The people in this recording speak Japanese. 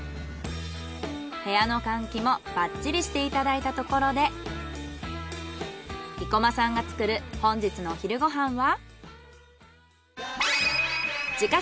部屋の換気もバッチリしていただいたところで生駒さんが作る本日のお昼ご飯は？